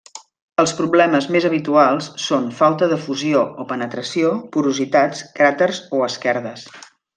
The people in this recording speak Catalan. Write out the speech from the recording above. Els problemes més habituals són falta de fusió o penetració, porositats, cràters o esquerdes.